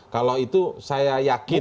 kalau itu saya yakin